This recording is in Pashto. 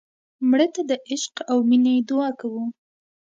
مړه ته د عشق او مینې دعا کوو